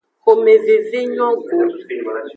Xomeveve nyo go.